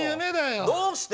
どうして？